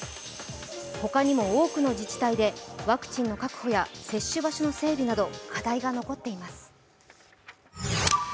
他にも多くの自治体でワクチンの確保や接種場所の整備など、課題が残っています。